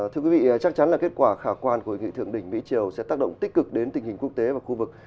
thưa quý vị chắc chắn là kết quả khả quan của hội nghị thượng đỉnh mỹ triều sẽ tác động tích cực đến tình hình quốc tế và khu vực